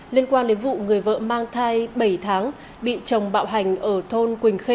liên quan đến vụ người vợ mang thai bảy tháng bị chồng bạo hành ở thôn quỳnh khê